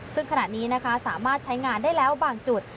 ซึ่งขณะนี้นะคะสามารถใช้งานได้แล้วบางจุด